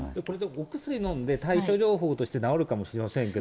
お薬飲んで対処療法として治るかもしれませんけど。